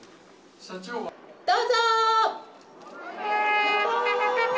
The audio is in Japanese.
どうぞ。